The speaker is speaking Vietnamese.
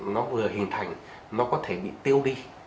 nó vừa hình thành nó có thể bị tiêu đi